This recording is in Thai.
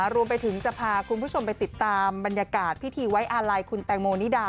รวมไปถึงจะพาคุณผู้ชมไปติดตามบรรยากาศพิธีไว้อาลัยคุณแตงโมนิดา